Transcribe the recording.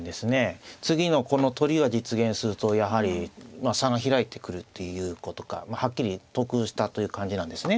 次のこの取りが実現するとやはり差が開いてくるっていうことかはっきり得したという感じなんですね。